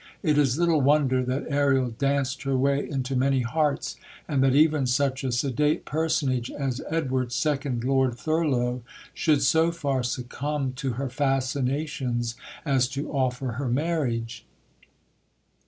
It is little wonder that Ariel danced her way into many hearts, and that even such a sedate personage as Edward, second Lord Thurlow, should so far succumb to her fascinations as to offer her marriage.